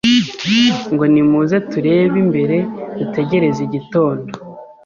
ngo ‘Nimuze turebe imbere dutegereze igitondo